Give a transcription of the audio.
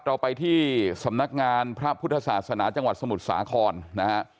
เราไปที่สำนักงานพระพุทธศาสนาจังหวัดสมุทรสาครนะฮะ